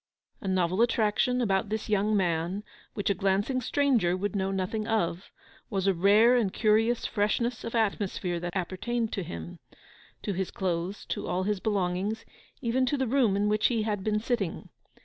A novel attraction about this young man, which a glancing stranger would know nothing of, was a rare and curious freshness of atmosphere that appertained to him, to his clothes, to all his belongings, even to the room in which he had been sitting.